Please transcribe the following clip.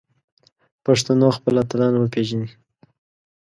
پښتنو خپل اتلان وپیژني